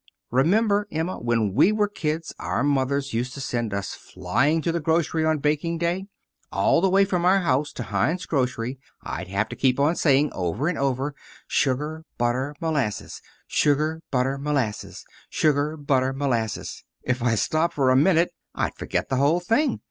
Remember, Emma, when we were kids our mothers used to send us flying to the grocery on baking day? All the way from our house to Hine's grocery I'd have to keep on saying, over and over: 'Sugar, butter, molasses; sugar, butter, molasses; sugar, butter, molasses.' If I stopped for a minute I'd forget the whole thing.